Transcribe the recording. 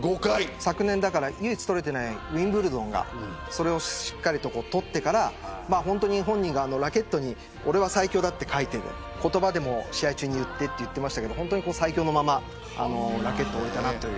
昨年、唯一取れていないウィンブルドンをしっかり取ってから本人がラケットにオレは最強だ！と書いてある言葉でも試合中に言っていると言ってましたけど本当に最強のままラケットを置いたなという